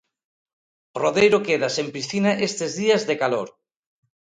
Rodeiro queda sen piscina estes días de calor.